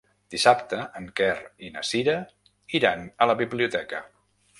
Dissabte en Quer i na Cira iran a la biblioteca.